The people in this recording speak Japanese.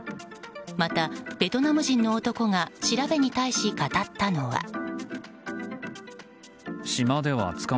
また、ベトナム人の男が調べに対し語ったのは。